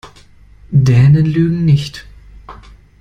Dänen lügen nicht.